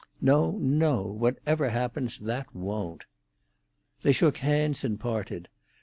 "No, no. Whatever happens, that won't." They shook hands and parted.